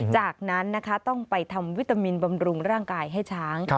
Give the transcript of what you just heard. จากนั้นนะคะต้องไปทำวิตามินบำรุงร่างกายให้ช้าง